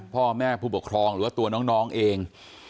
พ่อแม่ผู้ปกครองหรือว่าตัวน้องเอง